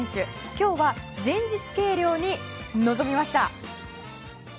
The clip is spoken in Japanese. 今日は前日計量に臨みました。